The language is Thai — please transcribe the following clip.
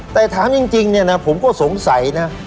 แต่ถามจริงเนี่ยนะผมก็สงสัยนะ